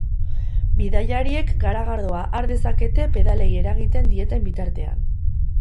Bidaiariek garagardoa har dezakete pedalei eragiten dieten bitartean.